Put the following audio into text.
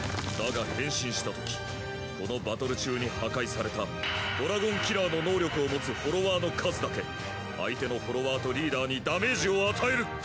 だが変身したときこのバトル中に破壊されたドラゴンキラーの能力を持つフォロワーの数だけ相手のフォロワーとリーダーにダメージを与える！